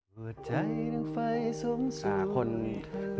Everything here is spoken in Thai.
หัวใจทั้งไฟสวงเธอ